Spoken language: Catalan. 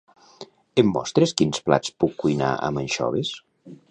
Em mostres quins plats puc cuinar amb anxoves?